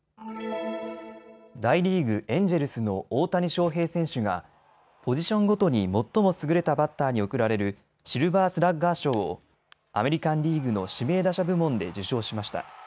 大リーグ、エンジェルスの大谷翔平選手がポジションごとに最も優れたバッターに贈られるシルバースラッガー賞をアメリカンリーグの指名打者部門で受賞しました。